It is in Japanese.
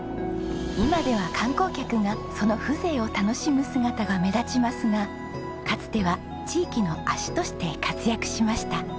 今では観光客がその風情を楽しむ姿が目立ちますがかつては地域の足として活躍しました。